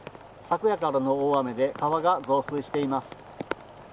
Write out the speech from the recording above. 昨夜からの大雨で、川が増水しています。